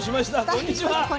こんにちは。